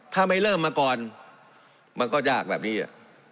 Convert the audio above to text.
ถ้าไม่เริ่มมาก่อนมันก็ยากแบบนี้